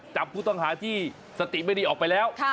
จับผู้ต้องหาที่สติไม่ดีออกไปแล้ว